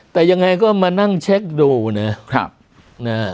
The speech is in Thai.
แต่ยังไงก็มานั่งเช็คดูเนี่ย